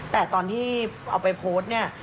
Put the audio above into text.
แต่ตอนที่เอาไปโพสต์เนี่ย